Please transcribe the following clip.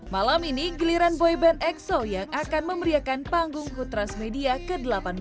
malam ini giliran boyband exo yang akan memeriakan panggung good transmedia ke delapan belas